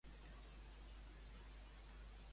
I si em toques una de les meves cançons preferides?